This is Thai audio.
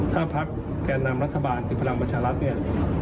ถ้าพลักษณ์แบกแกนำรัฐบาลอิจดิปลำรัชญารัฐเนี่ย